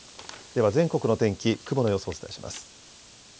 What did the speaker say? では全国の天気、雲の様子をお伝えします。